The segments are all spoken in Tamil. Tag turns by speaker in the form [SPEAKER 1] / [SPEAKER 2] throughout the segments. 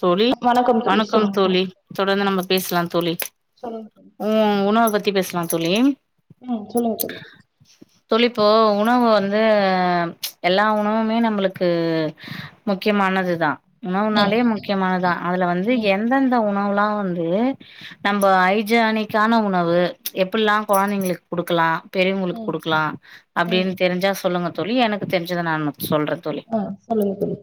[SPEAKER 1] தோழி வணக்கம் தோழி தொடர்ந்து நம்ம பேசலாம் தோழி
[SPEAKER 2] சொல்லுங்க தோழி
[SPEAKER 1] உ உணவ பத்தி பேசலாம் தோழி
[SPEAKER 2] ம் சொல்லுங்க தோழி
[SPEAKER 1] தோழி இப்போ உணவு வந்து எல்லா மஉணவுமே நம்மளுக்கு முக்கியமானது தான் உணவு
[SPEAKER 2] ம்
[SPEAKER 1] நாலே முக்கியமான தான் அதுல வந்து எந்தந்த உணவுலாம் வந்து நம்ம ஐஜானிக்கான உணவு எப்புட்லாம் நம்ம குழந்தைங்களுக்குலாம் குடுக்கலாம் பெரியவங்களுக்கு
[SPEAKER 2] ம் ம்
[SPEAKER 1] கொடுக்கலாம்
[SPEAKER 2] ம்
[SPEAKER 1] அப்டினு தெரிஞ்சா சொல்லுங்க தோழி எனக்கு தெரிஞ்சத நானும்
[SPEAKER 2] ஆஹ் சொல்லுங்க தோழி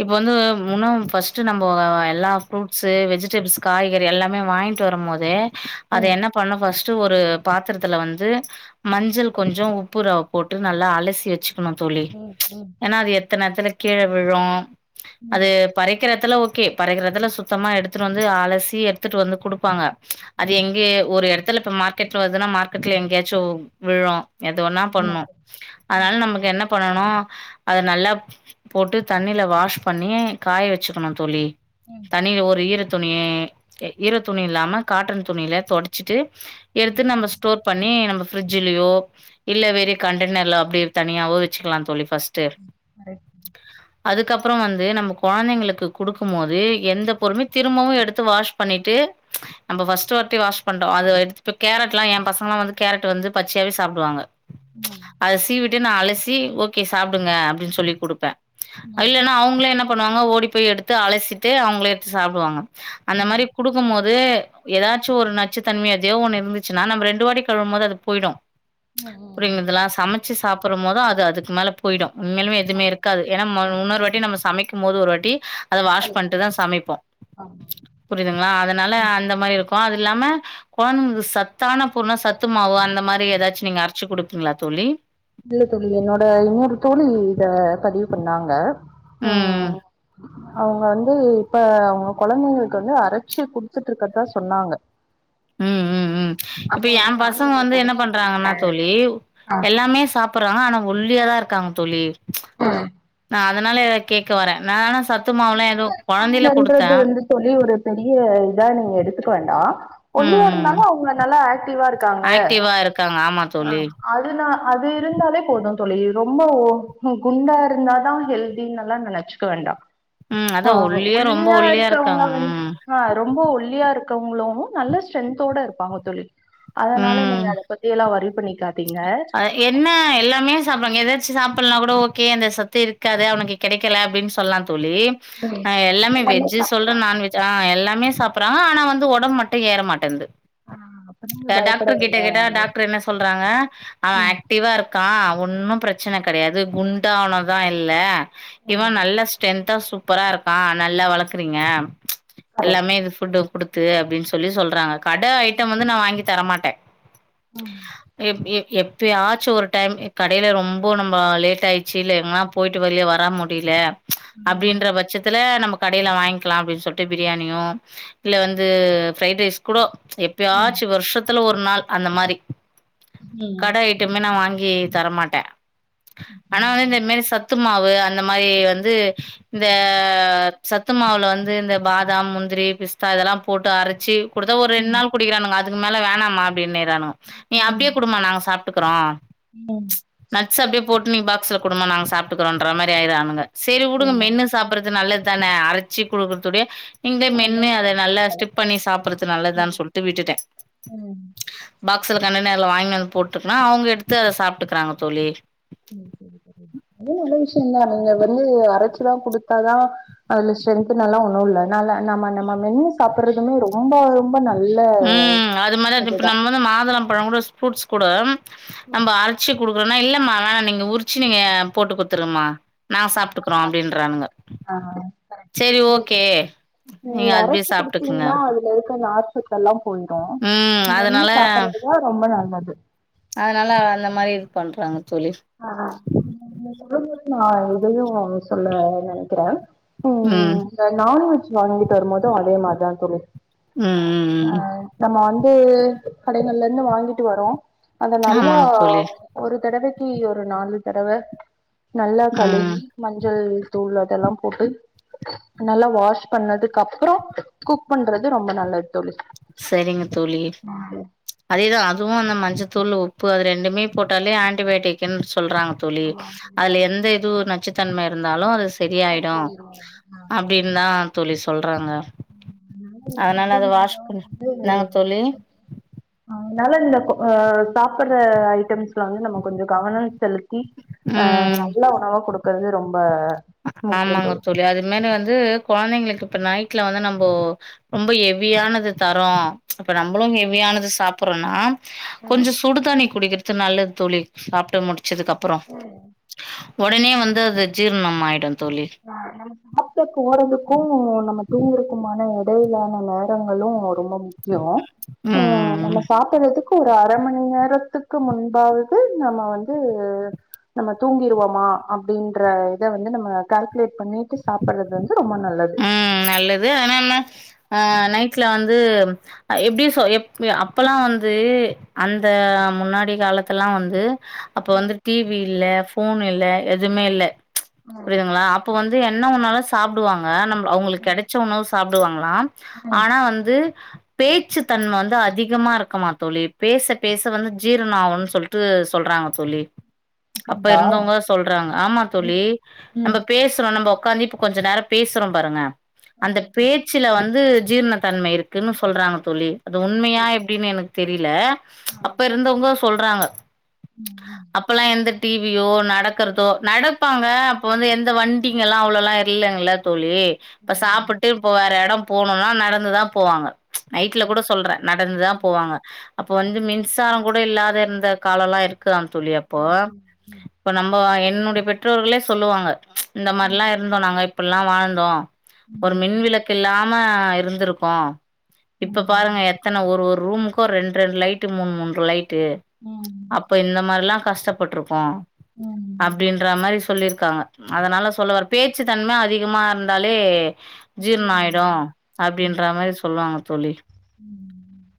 [SPEAKER 1] இப்போ வந்து முன்ன ஃபர்ஸ்ட்டு நம்ம எல்லா ஃப்ரூட்ஸு வெஜிடபிள்ஸ் காய்கறி எல்லாமே வாங்கிட்டு வரும் போதே அத
[SPEAKER 2] ம்
[SPEAKER 1] என்ன பண்ணும் பர்ஸ்ட்டு ஃபஸ்ட் ஒரு பாத்துரத்துல வந்து மஞ்சள் கொஞ்சோ உப்புலா போட்டு நல்லா அலசி வச்சி கனும் தோழி ம் ஏன்னா அது எத் த நேரத்துல கீழ விழும்
[SPEAKER 2] ம்
[SPEAKER 1] த்துல ஓகே பறக்கிறதுல சுத்தமா எடுத்துடு வந்து அலசி எடுத்துட்டு வந்து குடுப்பாங்க அது
[SPEAKER 2] ம்
[SPEAKER 1] எங்கே ஒரு இட இத்துல இப்ப மார்க்கெட்ல வருதுன்னா மார்கெட்ல எங்கயாச்சும் விழும் எது ஒன்னா
[SPEAKER 2] ஆமா
[SPEAKER 1] பண்ணும்
[SPEAKER 2] தோழி
[SPEAKER 1] அதனால
[SPEAKER 2] ம்
[SPEAKER 1] நமக்கு என்ன பண்ணணு ம் அத நல்லா போட்டு தண்ணில வாஷ் பண்ணி காய வச்சுக்கணும் தோழி
[SPEAKER 2] ம்
[SPEAKER 1] தனிய ஒரு ஈர துணி ஈர துணி இல்லாம காட்டன் துணியில தொடச்சிட்டு
[SPEAKER 2] ம்
[SPEAKER 1] எடுத்து நம்ம ஸ்டோர் பண்ணி நம்ம ப்ரிட்ஜ்லயோ இல்ல வேற கண்டெனர்ல அப்டி தனியாவோ வச்சுக்கலா தோழி ஃபஸ்ட்டு
[SPEAKER 2] கரெக்ட்
[SPEAKER 1] அதுக்கப்றோ வந்து நம் கொழந்தைங்களுக்கு குடுக்கு மோது எந்த பொறுமே திரும்பவும் எடுத்து வாஷ் பண்ணிட்டு நம்ப ஃபஸ்ட் வாட்டி வாஷ் பண்ட்டோம் அத எடுத்து இப்ப கேரட்லா எ பசங்கலா வந்து கேரட் வந்து பச்சையாவே சாப்டுவாங்க
[SPEAKER 2] ம்
[SPEAKER 1] அத சீவிட் டு நா அலசி ஓகே சாப்டுங்க அப்டின் சொல்லி குடுப்பேன்
[SPEAKER 2] ம்
[SPEAKER 1] இல்லனா அவுங்களே என்ன பண்ணுவாங்க ஓடி போய் எடுத்து அலசிட்டு அவுங்களே எடுத்து சாப்டுவாங்க
[SPEAKER 2] ம்
[SPEAKER 1] அந்த
[SPEAKER 2] ம்
[SPEAKER 1] மாரி குடுக்கு போ து ஏதாச்சு ஒரு நச்சுத்தன்மை ஏதோ ஒன்னு இருந்துச்சுனா நம்ம ரெண்டு வாட்டி கழும்போது அது போய்டும்
[SPEAKER 2] ம் ம்
[SPEAKER 1] புரியுதுங்கள சமைச்சு சாப்டும் போது அது அதுக் மேல போய்டும் உண்மைலுமே எதுமே
[SPEAKER 2] ஆமா
[SPEAKER 1] இருக்காது ஏனா
[SPEAKER 2] ஆமா
[SPEAKER 1] முன்னொரு வாட்டி நம்ப சமைக் மோது ஒரு வாட்டி அத வாஷ் பண்ட்டு தா
[SPEAKER 2] கலைக்கணும்
[SPEAKER 1] சமைப்போ
[SPEAKER 2] ஆமா
[SPEAKER 1] புரியுதுங்களா அதனால
[SPEAKER 2] ம்
[SPEAKER 1] அந்த மாரி இருக் அது இல்லாம கொழந்தைகளுக்கு சத்தான பொருனா சத்து மாவு அந்த மாரி ஏதாச்சு நீங்க அரச்சு குடுப்பீங்களா தோழி
[SPEAKER 2] இல்ல தோழி என்னோட இன்னொரு தோழி இத பதிவு பண்ணாங்க ஆ
[SPEAKER 1] ம்.
[SPEAKER 2] அவுங்க வந்து இப்ப அவுங்க கொழந்தைங்களுக்கு வந்து அரச்சு குடுத்துட்டுருக்கறதா சொன்னாங்க
[SPEAKER 1] ம் ம் ம்
[SPEAKER 2] அப்ப
[SPEAKER 1] இப்ப
[SPEAKER 2] வந்து
[SPEAKER 1] எம்
[SPEAKER 2] நானு
[SPEAKER 1] பசங்க வந்து
[SPEAKER 2] உனக்கு
[SPEAKER 1] என்ன
[SPEAKER 2] அரச்சு
[SPEAKER 1] பண்றாங்கன்னா
[SPEAKER 2] குடுக்குறே
[SPEAKER 1] தோழி எல்லாமே சாப் ப்புறா ஆனா ஒல்லியாதா இருக்காங்க தோழி நா அதனால ஏ கேக்க வர நானாஸ்
[SPEAKER 2] [unintelligible] வந்து தோழி ஒரு பெரி இதா நீங்க எடுத்துக்க வேண்டா
[SPEAKER 1] ம்,
[SPEAKER 2] ஒல்லியா
[SPEAKER 1] ம்.
[SPEAKER 2] இருந்தாலு அவுங்க நல்லா ஏக்டிவா இருக்காங்க
[SPEAKER 1] ஆக்டிவா இருக்காங்க. ஆமா
[SPEAKER 2] அ
[SPEAKER 1] தோழி.
[SPEAKER 2] அது நா அது இருந்தாலே போதுந் தொழி ரொம்பவு குண்டா இருந்தாதா ஹெல்தினல்லா நெனச்சுக்க வேண்டா
[SPEAKER 1] ம் அதா
[SPEAKER 2] ஆ ஆ
[SPEAKER 1] ரொம்ப
[SPEAKER 2] ஒல்லியா இருக்கவங்க
[SPEAKER 1] இருக்காங்க
[SPEAKER 2] வந்து
[SPEAKER 1] ம்
[SPEAKER 2] ஆ ரொம்போ ஒல்லியா இருக் கவங்களு னு நல்ல ஸ்ட்ரென்தோட ப்பாங்க தோழி அதனால நீங்க
[SPEAKER 1] ம்
[SPEAKER 2] அத பத்தி எல்லா வொரி பண்ணிக்கா
[SPEAKER 1] அ என்ன எல்லாமே சாப்படுவாங்க எது எது சாப்பல்னா கூட ஓகே அந்த சத்து இருக்காது அவனுக்கு கெடைக்கல அப்டின் சொல்லான் தோழி எல்லாமே வெஜ்ஜி சொல்ற நான்வெஜ் ஆ எல்லாம் எல்லாமே சாப்புறா ஆனா வந்து ஒடம்பு மட்டு ஏற மாட்டேன்து
[SPEAKER 2] ஆ அப்ப நீங்க பயப்பட
[SPEAKER 1] டாக்டர் கிட்ட
[SPEAKER 2] வேண்டா
[SPEAKER 1] கேட்ட டாக்டரு என்ன சொல்றாங்க அவ
[SPEAKER 2] ம்
[SPEAKER 1] ஏக்டிவா இருக்கா ஒன்னும் பிரச்சன கெடையாது குண்டாவனதா இல்ல இவ
[SPEAKER 2] ம்
[SPEAKER 1] நல்லா ஸ்ரென்த் ட்டா சூப்பரா இருக்கா நல்லா வளக்குறீங்க
[SPEAKER 2] கரெக்ட்
[SPEAKER 1] எல்லாமே இது ஃபுட்டு குடுத் து அப்டின் சொல்லி சொல்றாங்க கட ஐட்டம் வந்து நா வாங்கி தர மாட் ட்ட
[SPEAKER 2] ம்
[SPEAKER 1] எம் எ எப் எப்போயாச்சு ஒரு டைம் கடையில் ரொம்ப நம்ம லேட் ஆயிடுச்சு இல்ல எங்கன்னா போயிட்டு வழியே வர முடில
[SPEAKER 2] ம்
[SPEAKER 1] அப்படின்ற பட்சத்துல நமக்கு கடைலா வாங்கிக்கலா அப்படின்னு சொல்லிட்டு பிரியாணியு இல்ல வந்து ஃரைட் ரைஸ் கூட எப்பயாச்சு வருஷத்துல ஒரு நாள் அந்த மாதிரி கட
[SPEAKER 2] ம்
[SPEAKER 1] ஐட்டமே நா வாங்கி யே தரமாட்டே ஆனா
[SPEAKER 2] ம்
[SPEAKER 1] அவ இந்தமிரி சத்து சத்து மாவு அந்த மாதிரி வந்து இந்த சத்து மாவுல வந்து இந்த பாதாம் முந்திரி பிஸ்தா இதெல்லா போட்டு அரச்சி கொடுத்த ஒரு ரெண்டு
[SPEAKER 2] ம்
[SPEAKER 1] நாள் குடிக்கிறானுங்க அது அதுக் மேல வேணாமா இ நேரானு நீ அப்டியே குடுமா நாங்க சாப்பிட்டுக்குறோ
[SPEAKER 2] ம்
[SPEAKER 1] போட்டு நீ பாக்ஸ்ல குடுமா நாங்க சாப்ட்டுக்குறோங்ர மாரி ஆய்ரானுங்க சரி
[SPEAKER 2] ஆ
[SPEAKER 1] உடுங்க மென்னு சாப்டுறது நல்லது தனே அரச்சி கொடுக்கறதுடைய இங்க மென்னு
[SPEAKER 2] ஆமாங்க
[SPEAKER 1] அத
[SPEAKER 2] சகோதரி
[SPEAKER 1] நல்லா ஸ்டிப் பண்ணி சாப்பறது நல்லதான்னு
[SPEAKER 2] ம்
[SPEAKER 1] சொல்லிட்டு விட்டுட்டே
[SPEAKER 2] ம்
[SPEAKER 1] பாக்ஸ்ல கண்டெ்னனர்ல வாங்கிய ட்கு நா அவுங்க எடுத்து அத சாப்பிட்டுக்கறாங்க தோழி
[SPEAKER 2] அ நல்ல விஷயம்தா நீங்க வந்து அரைச்சுல்லா கொடுத்தாதா அதுல ஸ்ட்ரென்த்னல்லா ஒண்ணு இல்ல அதனால நம் நம்ம மென்னு சாப்பிடுறதுமே ரொம்ப ரொம்ப நல்
[SPEAKER 1] ம் அது மாரி இப்ப நம்ம வந்து மாதளம் பழோ கூட ஸ்பூர்ட்ஸ் குட
[SPEAKER 2] ம்
[SPEAKER 1] நம்ம அரட்சிய குடுக்கற மா இல்லமா வேணா நீங்க உரிச்சு நீங்க போட்டு கொடுத்துருமா நா
[SPEAKER 2] ஆ நல்லா
[SPEAKER 1] சாப்பிட்டுக்கறோ
[SPEAKER 2] சாப்பிடுறேன்.
[SPEAKER 1] அப்படின்றானுங்க
[SPEAKER 2] ஆ, கரெக்ட்.
[SPEAKER 1] சேரி
[SPEAKER 2] அது
[SPEAKER 1] ஓகே நீங்க அதுபய சாப்பிட்டுக்குங்க
[SPEAKER 2] அப்டியே நார்சத்தல்லா
[SPEAKER 1] ம் அதனால
[SPEAKER 2] ரொம்ப நல்லது
[SPEAKER 1] அதனால அந்த மாரி இரு பண்றாங்க தோழி
[SPEAKER 2] ஆ சொல்லும்போது நா இதையு சொல்ல நெனைக்கிறே ம் நா நான்வெஜ் வாங்கிட்டு வரும் போதும் அதே மாரிதா இருக் [unintelligible]
[SPEAKER 1] உ உ உ
[SPEAKER 2] உ கடைகள்ல இருந்து வாங்கிட்டு வரோ அத நல்லா
[SPEAKER 1] ஆமாங்க தோழி
[SPEAKER 2] ஒரு தடவைக் தி ஒரு நாலு தடவ நல்லா
[SPEAKER 1] ம்
[SPEAKER 2] கழுகி மஞ்சள் தூள இதெல்லா போட்டு நல்லா வாஷ் பண்ணதுக்கு அப்பறோ குக் பண்றது ரொம்ப நல்லது தோழி
[SPEAKER 1] சேரிங்க தோழி அதேதா அதுவு அந்த மஞ்சத் தூள் உப்பு அது ரெண்டுமே போட்டாலே ஆன்டிபயாட்டிகன்னுஸ் சொல்றாங்க தோழி அதுல எந்த இதுவு நச்சுத்தன்மை இருந்தாலு அதுஸ் சரியாயிடு அப்டின் தா தோழி சொல்றாங்க
[SPEAKER 2] அதனால ஃபுட்டு
[SPEAKER 1] அத வாஷ்
[SPEAKER 2] [inaudible]
[SPEAKER 1] பண்ணி என்னங்க தோழி
[SPEAKER 2] அதனால இந்தப்ப ஆ சாப்பிட்ற ஐட்டம்ஸ்ல வந்து நம்ம கொஞ்ச கவனம் செலுத்தி அ
[SPEAKER 1] ம்
[SPEAKER 2] நல்ல உணவா குடுக்குறது ரொம்ப ஆ
[SPEAKER 1] ஆமாங்க தோழி அது மாரி வந்து கொழந்தைங்களுக்கு இப்போ நைட்ல வந்து நம்ம ரொம்ப ஹெவியானத தரோ இப்போ நம்மளு ஹெவியானத சாப்பிட்றோம்னா கொஞ்சோ சுடுதண்ணி குடிக்கர்து நல்லது தோழி சாப்ட் முடிச்ச ச்சதுக்கப்புறோ உடனே வந்து அது ஜீர்ணம் ஆயிடு
[SPEAKER 2] ஆ நம்ம சாப்ட போறதுக்கு நம்ம தூங்கறக்குமான [unintelligible] விலான வெவரங்களு ரொம்ப முக்கியோஆ
[SPEAKER 1] ம், ம்,
[SPEAKER 2] நம்ம
[SPEAKER 1] ம்.
[SPEAKER 2] சாப்பிட்றதுக்கு ஒரு அரை மணி நேரத்துக்கு முன்பாவது நம்ம வந்து நம்ம தூங்கிருவோமா அப்படின்ற இத வந்து நம்ம கால்குலேட் பண்ணிட்டு சாப்பிடுறது வந்து ரொம்ப நல்லது
[SPEAKER 1] ம் நல்லது ஆன என்ன ஆ நைட்டில வந்து எப்படி சொ எப் அப்பல்லாம் வந்து அந்த முன்னாடி காலத்தலாம் வந்து அப்ப
[SPEAKER 2] ம்
[SPEAKER 1] வந்து டி வி இல்ல ஃபோன் இல்ல எதுவுமே இல்ல புரியுதுங்களா அப்ப வந்து என் எல்லாம் ஒன்னா தான் சாப்டுவாங்க அவுங்களுக்கு கெடைச்ச உணவு சாப்பிடுவாங்களாம்
[SPEAKER 2] ம்
[SPEAKER 1] ஆனா வந்து பேச்சு தன்மை வந்து அதிகமா இருக்குமா தோழி பேச பேச வந்து ஜீரணம் ஆவும்னு சொல்லிட்டு சொல்றாங்க தோழி அப்ப
[SPEAKER 2] அப்டிங்களா
[SPEAKER 1] இருந்தவங்க சொல்றாங்க ஆமா
[SPEAKER 2] ம்
[SPEAKER 1] தோழி நம்ம
[SPEAKER 2] ம்
[SPEAKER 1] பேசுரோம் நம்ம உட்காந்து இப்ப கொஞ்ச நேரம் பேசுறோம் பாருங்க அந்த
[SPEAKER 2] ம் ம்
[SPEAKER 1] பேச்சுல வந்து ஜீர்ணத்தன்மை இருக்குன்னு சொல்றாங்க தோழி அது உண்மையா எப்படின்னு எனக்கு தெரியல அப்ப இருந்தவங்க சொல்றாங்க அப்பல்லாம் எந்த டி வி யோ நடக்கிறதோ நடப்பாங்க அப்ப வந்து எந்த வண்டிங்க எல்லாம் அவ்வளோல்லாம் இல்லைங்கள தோழி இப்ப சாப்பிட்டு இப்ப வேற இடம் போனும்னா நடந்துதான் போவாங்க நைட்ல கூட சொல்றேன் நடந்துதான் போவாங்க அப்போ வந்து மின்சாரம் கூட இல்லாத இருந்த காலம்லாம் இருக்கு இருக்கிறான் தோழி அப்போ இப்ப நம்மோ என் உன்னுடைய பெற்றோர்களே சொல்லுவாங்க இந்த மாதிரியலா இருந்தோம் நாங்க எல்லாம் வாழ்ந்தோம் ஒரு மின்விளக்கு இல்லாம இருந்திருக்கோம் இப்ப பாருங்க எத்தன ஒரு ஊர் ரூமுக்கோ ரெண் ரெண் லைட் டு மூனு மூனு லைட் டே
[SPEAKER 2] ம்
[SPEAKER 1] அப்ப இந்த மாரில்லா கஷ்டப்பட்ருக்கோ
[SPEAKER 2] ம்
[SPEAKER 1] அப்டின்ற மாரி சொல்லிரு இருக்காங்க அதனால சொல்லவர பேச்சு தன்ம அதிக சும்மா இருந்தாலே ஜீரணோ ஆயிடு
[SPEAKER 2] ம் ம்
[SPEAKER 1] அப்டின்ற மாரி சொல்லுவாங்க தோழி
[SPEAKER 2] ம்.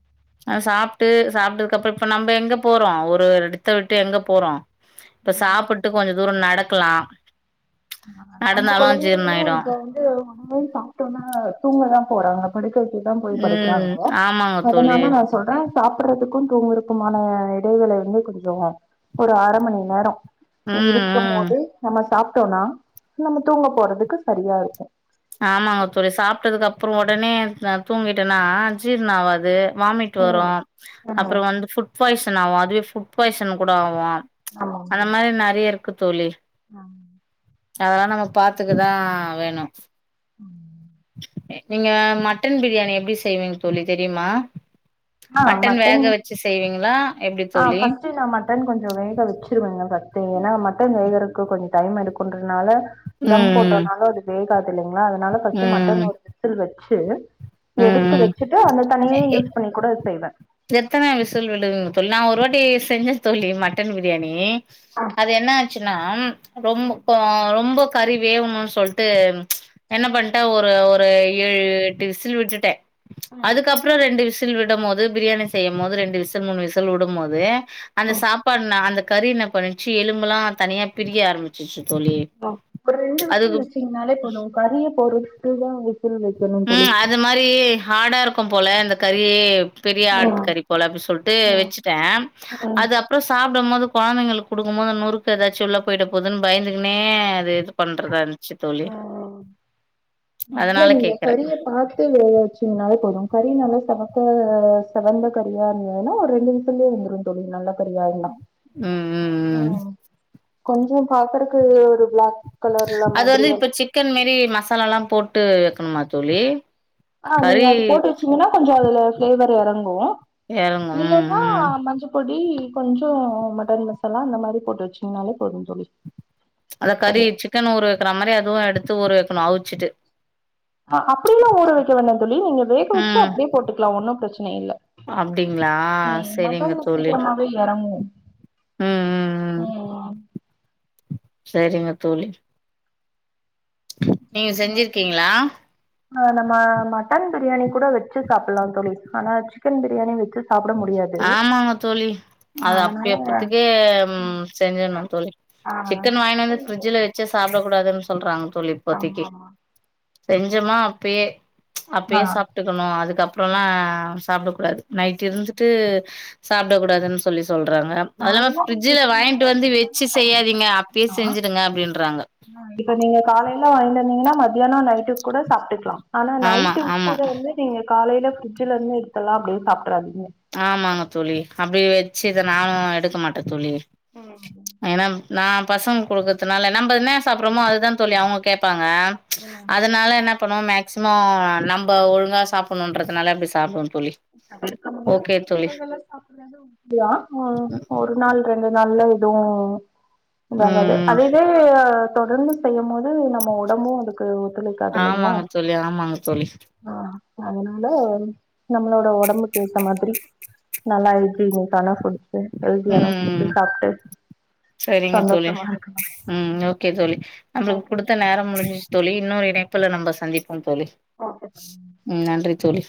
[SPEAKER 1] அது சாப் விட்டு சாப்ட்டதுக்கப்புறோ இப்ப நம்ம எங்க போறோ ஒரு எடத்த விட்டு எங்க போறோ இப்ப
[SPEAKER 2] ம்.
[SPEAKER 1] சாப்புட்டு கொஞ்சோ தூரம் நட க்கலா
[SPEAKER 2] நம்ம கொழந்தைய இப்ப வந்து உடனே சாப்டோம்னா து தூங்கதா போறே இவன படுக்க வெ இப்தா போய்
[SPEAKER 1] ம்
[SPEAKER 2] படுக்குறாங்க
[SPEAKER 1] ஆமாங்க தோழி.
[SPEAKER 2] அதனால நா சொல்றே சாப்றதுக்கு தூங்குறக்குமான இடைவேளை வந்து கொஞ்சோ ஒரு அர மணி நேரோ தூங்கி
[SPEAKER 1] ம்,
[SPEAKER 2] இருக்கும்
[SPEAKER 1] ம்.
[SPEAKER 2] போதே நம்ம சாப் டோனா நம்ம தூங்க போறதுக்கு சரியா இருக்கு
[SPEAKER 1] ஆம்மாங்க தோழி சாப்ட்டதுக்கு அப்றோ ஒடனே தூங்கிட்டேனா ஜீர்ண ஆவாது வாமிட் வரு
[SPEAKER 2] ம்
[SPEAKER 1] அப்றோ
[SPEAKER 2] ம்
[SPEAKER 1] வந்து ஃபுட் பாய்சன் ஆவு அதுவே ஃபுட் பாய்சன் கூட ஆவு
[SPEAKER 2] ஆமாங்க
[SPEAKER 1] அந்த
[SPEAKER 2] தோழி
[SPEAKER 1] மாரி நெறய இருக்கு தோழி அதெல்லா நம்ம பாத்துக்க தா வேணு
[SPEAKER 2] உம்ம்
[SPEAKER 1] நீங்க மட்டன் பிரியாணி எப்டி செய்வீங்க தோழி தெரியுமா மட்டன் வேகவச்சு செய்வீங்களா எப்டி
[SPEAKER 2] ஆ
[SPEAKER 1] தோழி?
[SPEAKER 2] ஃபஸ்டு நா மட்டன் கொஞ்சோ வேக வச்சிருவேங்க பஸ் ஏன்னா மட்டன் வேகுறதுக்கு கொ கொஞ்ச டைம் எடுக்குன்றதுனால தம்
[SPEAKER 1] ம், ம்.
[SPEAKER 2] போட்டனால அது வேக இல்லலைங்களா அதனால
[SPEAKER 1] ம்,
[SPEAKER 2] ஃபர்ஸ்டு மட்டன்
[SPEAKER 1] ம்.
[SPEAKER 2] ஒரு விசில் வச்சு [unintelligible]
[SPEAKER 1] ம்,
[SPEAKER 2] எடுத்து
[SPEAKER 1] ம்.
[SPEAKER 2] வச்சிட்டு அந்த தண்ணியே
[SPEAKER 1] எ
[SPEAKER 2] யூஸ் பண்ணி கூட செய்வே
[SPEAKER 1] எத்தன விசில் விடுவிங்க தோழி நா ஒரு வாட்டி செஞ்ச தோழி மட்டன் பிரியாணி அது என்னா சின்னா ரொம்போ
[SPEAKER 2] ம்
[SPEAKER 1] கோ ரொம்போ கறி வேவுணுன் சொல்ட்டு என்ன பண்ட்டே ஒரு ஒரு ஏழு எட்டு விசில் விட்டுட்டே
[SPEAKER 2] ம்
[SPEAKER 1] அதுக்கப்புறோ ரெண்டு விசில் தில் விடம்மோது பிரியாணி செய்யம் மோது ரெண்டு விசுல் மூணு விசுல்வுடும்மோது அந்த
[SPEAKER 2] ம்
[SPEAKER 1] சாப்பாடுனா அந்த கறி இன்னா பண்ணிச்சி எலும்புலா தனியா பிரிய ஆரம்பிச்சிரிசி
[SPEAKER 2] அப்பற ரெண்டு விசுல் வச்சீங்ன்னாலே போது கறியபோரு க்கு தா விக்
[SPEAKER 1] ம் அது மாரி ஹாடா இருக் க்கு போல இந்த கறி பெரிய
[SPEAKER 2] ம்
[SPEAKER 1] ஆட்டு கறி போல அப்பிடி சொல்ட்டு
[SPEAKER 2] ம்
[SPEAKER 1] வச்சுட்டே
[SPEAKER 2] ம்
[SPEAKER 1] அது அப்புறோ சாப் ண்ட போது கொழந்தைங்களுக்கு குடுக்கு போது நொறுக்கு ஏதாச்சு உள்ள போய்டபோதுன்னு பயந்துக்கனே அது இது பண்றதா இ ச்சி தோழி
[SPEAKER 2] ம்.
[SPEAKER 1] அதனால கே
[SPEAKER 2] கறிய பாத்து எதாச்சுங்கனால போரு கறி நல்லா செவக்க சவந்த கறியா இருந்துன்னா ஒரு ரெண்டு நிமிஷத்துலயே வெந்துரு தோழி நல்லா கறியான்னா ம் கொஞ்சோ பாக்குறக்கு ஒரு பிளாக் கலர்ல மா
[SPEAKER 1] அது வந்து இப்ப சிக்கன் மேறி மசாலல்லா போட் ட்டு வக்கணுமா தோழி
[SPEAKER 2] ஆ நீங்க
[SPEAKER 1] கறி
[SPEAKER 2] அது போட்டு வச்சீங்கன்னா கொஞ்சோ அதுல பிளேவர் இறங்கு
[SPEAKER 1] இறங்கும்.
[SPEAKER 2] இல்ன்னா
[SPEAKER 1] ம், ம்.
[SPEAKER 2] மஞ்ச பொ டி கொஞ்சோ மட்டன் மசாலா அந்த மாரி போட்டுவச்சீங்ன்னாலே போது தோழி
[SPEAKER 1] அத கறி
[SPEAKER 2] சரி
[SPEAKER 1] சிக்கன் ஊர வைக்கற மாரி அதுவு எடுத் எத்து ஊற வைக்கணு அவுச்சுட்டு
[SPEAKER 2] ஆ அப்டியெல்லா ஊர வக்க வேண்டா தோழி நீங்க வேக வச்சு
[SPEAKER 1] ம்.
[SPEAKER 2] அப்டியே போட்டுக்கலா ஒன்னு பிரச் னஇல்ல
[SPEAKER 1] அப்டிங்களா?
[SPEAKER 2] உ மட்டன்ல சீக்கிரமாவே எறங்கு
[SPEAKER 1] உ உ உ
[SPEAKER 2] ம்
[SPEAKER 1] சரிங்க தோழி நீங்க செஞ்சிருக்கீங்களா
[SPEAKER 2] ஆ நம்ம மட்டன் பிரியாணி கூட வச்சு சாப்பிட்லா சொல்லி ஆனா சிக்கன் பிரியாணி வெச்சு
[SPEAKER 1] ஆமாங்க தோழி அது அப்டி
[SPEAKER 2] அதனால
[SPEAKER 1] அப்பத்துக்கே செஞ்சிடணு தோழி
[SPEAKER 2] ஆ ஆமா
[SPEAKER 1] சிக்கன் வாங்கினு வந்து ஃப்ரிட்ஜுல வச்சு சாப்பிட கூடாதுனு சொல்றாங்க தோ தோழி இப்போதைக்கி
[SPEAKER 2] ஆமா
[SPEAKER 1] செஞ்சமா அப்பயே அப்பயே சாப்ட்டுக்கணு
[SPEAKER 2] ஆ
[SPEAKER 1] அதுக்கப்றோலா சாப்ட கூடா கூடாது நைட் இருந்து ட்டு சாப்பிட கூடாதுன்னு சொல்லி சொ சொல்றாங்க அது இல்லாம
[SPEAKER 2] காலையில நீங்க
[SPEAKER 1] ஃபிரிட்ஜ்ல
[SPEAKER 2] வச்சீங்கன்னா
[SPEAKER 1] வாங்கிட்டு வந்து
[SPEAKER 2] மத்தியானோ
[SPEAKER 1] வச்சு
[SPEAKER 2] நைட்டு கூட
[SPEAKER 1] செய்யாதீங்க அப்பயே
[SPEAKER 2] சாப்ட்டுக்கலா
[SPEAKER 1] செஞ்சுடுங்க அப்டின்றாங்க
[SPEAKER 2] னா வாங்கந்தீங்கன்னா மத்தியானோ நைட்டு கூட சாப்ட்டுக்கலா ஆனா
[SPEAKER 1] ஆமா
[SPEAKER 2] நைட்டு
[SPEAKER 1] ஆமா
[SPEAKER 2] வச்சத வந்து நீங்க காலையில ஃபிரிட்ஜ்ல இருந்து எடு எல்லா அப்டியே சாப்
[SPEAKER 1] ஆமாங்க தோழி அப்டி வச்சுதா நானு எடுக்க மாட்டே தோலி
[SPEAKER 2] ம்
[SPEAKER 1] ஏன்னா நா பசங்க கொடுக்கறதுனால நம்ம என்ன சாப்பிட்றோமோ அதுதா தோலி அவங்க கேப்பாங்க ஆ அதனால என்ன அப்பனு மேக்ஸிமோ நம்ம ஒழுங்கா சாப்பிட்ணுன்றதுனால அப்டி சாப்ட்னு தோலி
[SPEAKER 2] [inaudible] சாப்பிடா ஒரு நாள் இதுநல்ல இதுவு
[SPEAKER 1] ம்
[SPEAKER 2] இதாகாது
[SPEAKER 1] ம்
[SPEAKER 2] அதேதே அ தொடர்ந்து செய்யும்போது அது நம்ம உடம்பு அதுக்கு ஒத்துழைக்காது இல்லைங்களா
[SPEAKER 1] ஆமாங்க தோழி ஆமாங்க தோழி
[SPEAKER 2] ஆ அதனால நம் நம்மோட உடம்பு ஏத்த மாதிரி நல்லா இருக்குனு
[SPEAKER 1] ம் ம்
[SPEAKER 2] சாப்ட்டு
[SPEAKER 1] செரிங்க தோழி
[SPEAKER 2] சந்தோஷமா இருக்கணு
[SPEAKER 1] ம் ஓகே தோழி நம்மளுக்கு
[SPEAKER 2] ஓகே
[SPEAKER 1] குடுத்த
[SPEAKER 2] சார்
[SPEAKER 1] நேரம் முடிஞ்சுச்சு தோழி இன்னொரு இனைப்புல நம்ம சந்திப் ஆ தோழி
[SPEAKER 2] ஓகே
[SPEAKER 1] ம் நன்றி தோழி